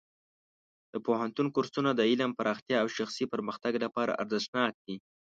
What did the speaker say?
د پوهنتون کورسونه د علم پراختیا او شخصي پرمختګ لپاره ارزښتناک دي.